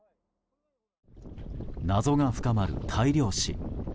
謎が深まる大量死。